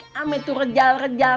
sama itu rejal rejal